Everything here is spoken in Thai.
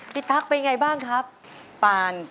ลูกขอถยอยส่งที่คืน